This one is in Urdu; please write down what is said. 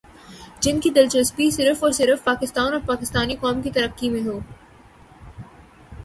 جن کی دلچسپی صرف اور صرف پاکستان اور پاکستانی قوم کی ترقی میں ہو ۔